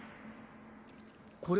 これ